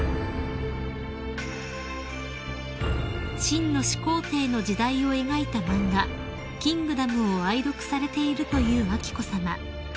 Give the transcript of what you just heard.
［秦の始皇帝の時代を描いた漫画『キングダム』を愛読されているという彬子さま］